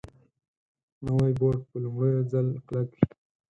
نوی بوټ په لومړي ځل کلک وي